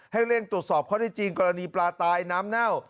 เร่งตรวจสอบข้อได้จริงกรณีปลาตายน้ำเน่า